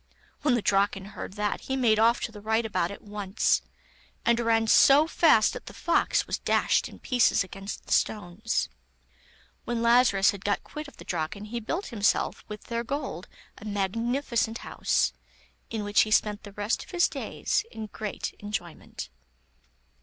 When the Draken heard that he made off to the rightabout at once, and ran so fast that the fox was dashed in pieces against the stones. When Lazarus had got quit of the Draken he built himself, with their gold, a magnificent house, in which he spent the rest of his days in great enjoyment.